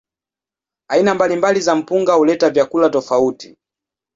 Aina mbalimbali za mpunga huleta vyakula tofauti.